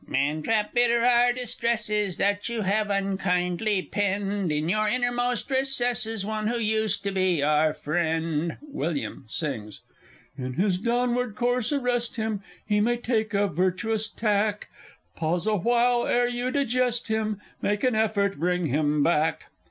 Man trap, bitter our distress is That you have unkindly penned In your innermost recesses One who used to be our friend! William. In his downward course arrest him! (He may take a virtuous tack); Pause awhile, ere you digest him, Make an effort bring him back!